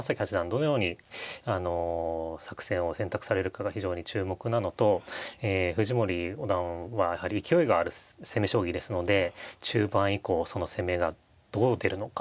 どのようにあの作戦を選択されるかが非常に注目なのとえ藤森五段はやはり勢いがある攻め将棋ですので中盤以降その攻めがどう出るのか。